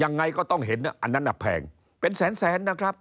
อย่างไรก็ต้องเห็นน้าอันด้านน่ะแพงเป็นแสนนะครับ